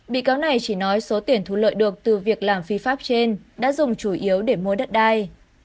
bị cáo này chỉ nói số tiền thu lợi được từ việc làm phi pháp trên đã dùng chủ yếu để mua đất đai